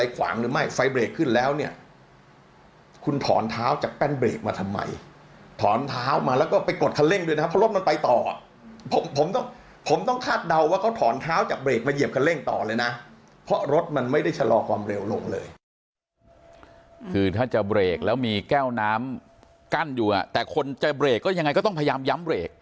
คือถ้าจะเบรกแล้วมีแก้วน้ำกั้นอยู่แต่คนจะเบรกก็ยังไงก็ต้องพยายามย้ำเบรก